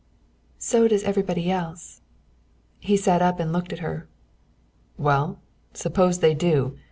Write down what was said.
] "So does everybody else." He sat up and looked at her. "Well, suppose they do?